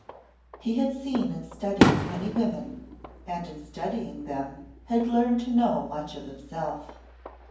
He had seen and studied many women, and in studying them had learned to know much of himself.